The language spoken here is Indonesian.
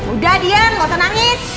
udah diam gak usah nangis